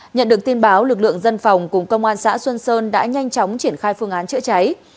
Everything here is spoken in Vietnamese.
nhận được tin báo lực lượng dân phòng cùng công an xã xuân sơn đã nhanh chóng triển khai phương án chữa cháy